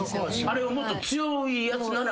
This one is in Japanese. あれがもっと強いやつなら。